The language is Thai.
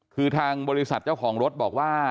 คือทางบริษัทเจ้าของรถบอกว่า